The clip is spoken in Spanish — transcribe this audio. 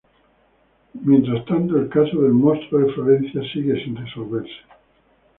Mientras tanto, el caso del Monstruo de Florencia sigue sin resolverse.